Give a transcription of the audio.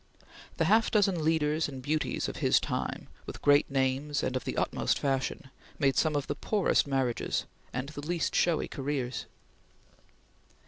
The half dozen leaders and beauties of his time, with great names and of the utmost fashion, made some of the poorest marriages, and the least showy careers.